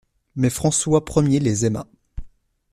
Mais François Ier les aima.